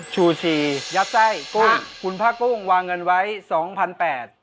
ชูชียัดไส้กุ้งคุณพระกุ้งวางเงินไว้๒๘๐๐บาท